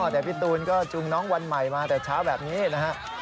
แต่พี่ตูนก็จูงน้องวันใหม่มาแต่เช้าแบบนี้นะฮะ